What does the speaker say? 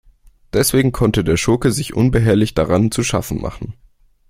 Deswegen konnte der Schurke sich unbehelligt daran zu schaffen machen.